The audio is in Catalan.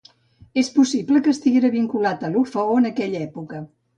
És possible que estiguera vinculat a l'Orfeó en aquella època.